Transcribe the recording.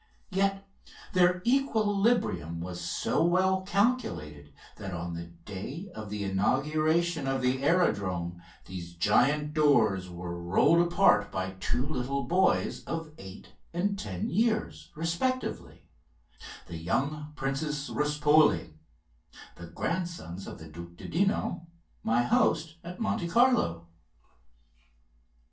Yet their equilibrium was so well calculated that on the day of the inauguration of the aerodrome these giant doors were rolled apart by two little boys of eight and ten years respectively, the young Princes Ruspoli, grandsons of the Duc de Dino, my host at Monte Carlo.